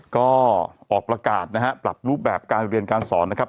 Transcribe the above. ก็ออกประกาศนะฮะปรับรูปแบบการเรียนการสอนนะครับ